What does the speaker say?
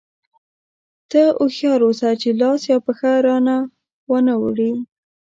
ته هوښیار اوسه چې لاس یا پښه را وانه وړې.